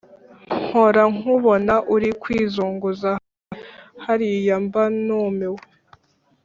mpora nkubona uri kwizunguza hariya mba numiwe